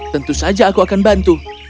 tentu saja aku akan bantu